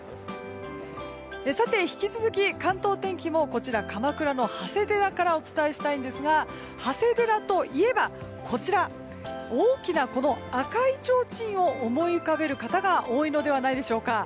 引き続き関東天気もこちら鎌倉の長谷寺からお伝えしたいんですが長谷寺といえばこちら大きな赤いちょうちんを思い浮かべる方が多いのではないでしょうか。